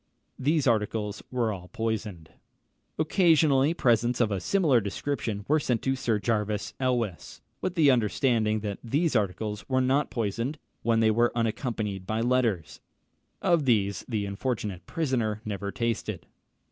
These articles were all poisoned. Occasionally, presents of a similar description were sent to Sir Jervis Elwes, with the understanding that these articles were not poisoned, when they were unaccompanied by letters: of these the unfortunate prisoner never tasted.